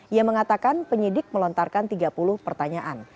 ia mengatakan penyidik melontarkan tiga puluh pertanyaan